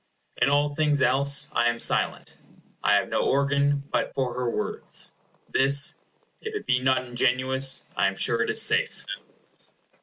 In all things else I am silent. I have no organ but for her words. This, if it be not ingenious, I am sure is safe.